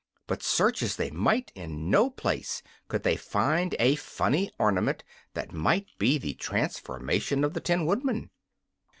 But, search as they might, in no place could they find a funny ornament that might be the transformation of the Tin Woodman.